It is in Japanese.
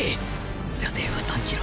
射程は３キロ。